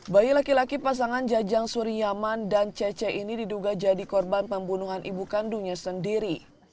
bayi laki laki pasangan jajang suryaman dan cece ini diduga jadi korban pembunuhan ibu kandungnya sendiri